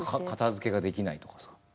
片づけができないとかさ。